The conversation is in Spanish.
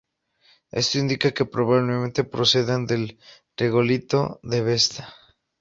Esto indica que probablemente procedan del regolito de Vesta.